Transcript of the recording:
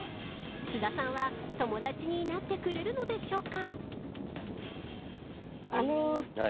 津田さんは友達になってくれるのでしょうか。